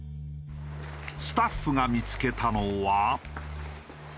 スタッフが見付けたのは。